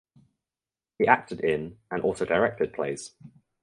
He acted in and also directed plays.